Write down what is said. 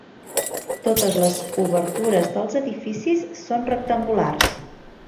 Totes les obertures dels edificis són rectangulars.